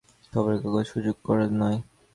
খবরের কাগজে হুজুক করা নয়।